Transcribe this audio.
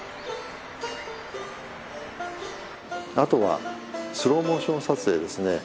あとはスローモーション撮影ですね。